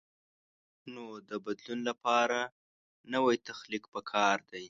نو د بدلون لپاره نوی تخیل پکار دی.